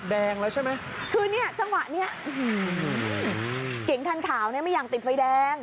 แดงแล้วใช่ไหมคือเนี่ยจังหวะเนี้ยเก๋งคันขาวเนี่ยไม่อยากติดไฟแดง